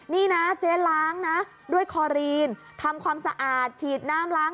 นี่นะเจ๊ล้างนะด้วยคอรีนทำความสะอาดฉีดน้ำล้าง